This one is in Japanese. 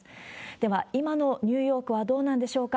では、今のニューヨークはどうなんでしょうか。